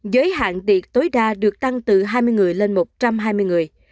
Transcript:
giới hạn tiệc tối đa được tăng từ hai mươi người lên một trăm hai mươi người